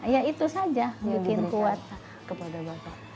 ya itu saja yang membuatku kuat